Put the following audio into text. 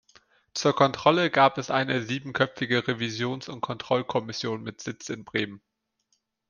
Zur Kontrolle gab es eine siebenköpfige Revisions- und Kontrollkommission mit Sitz in Bremen.